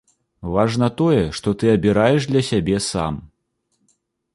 Важна тое, што ты абіраеш для сябе сам.